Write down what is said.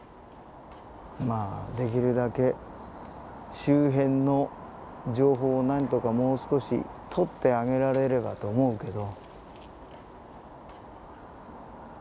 まあできるだけ周辺の情報を何とかもう少しとってあげられればと思うけど。